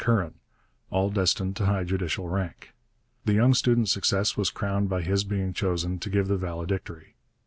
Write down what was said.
Curran, all destined to high judicial rank. The young student's success was crowned by his being chosen to give the valedictory.